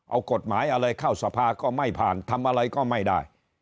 เอากฎหมายอะไรเข้าสภาก็ไม่ผ่านทำอะไรก็ไม่ได้